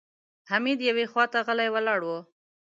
حميد يوې خواته غلی ولاړ و.